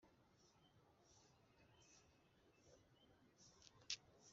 bo mu mugi wa Taganrog baciriwe urubanza bazira ko bateguye amateraniro ya gikristo